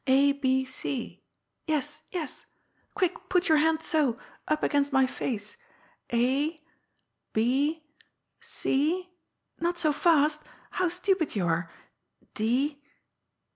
A, B, 0. Tes, yes. Quick ! put your hand so, up against my face. A, B, 0. Not so fast. How stupid you are